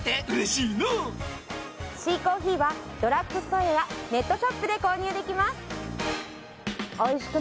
ＣＣＯＦＦＥＥはドラッグストアやネットショップで購入できます！